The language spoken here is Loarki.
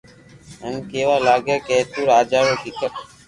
ھين ڪي وا لاگيا ڪي تو راجا رو ڪيڪر